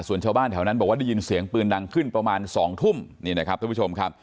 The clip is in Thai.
ส่วนชาวบ้านแถวนั้นบอกว่าได้ยินเสียงปืนดังขึ้นประมาณ๒ทุ่มนี่นะครับท่านผู้ชมครับ